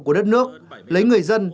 của đất nước lấy người dân